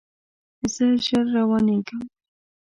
زه ژر روانیږم